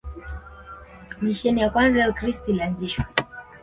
Misheni ya kwanza ya Ukristo ilianzishwa